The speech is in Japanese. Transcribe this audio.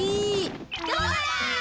どうだ！